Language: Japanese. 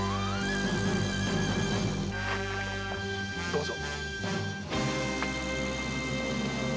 どうぞ。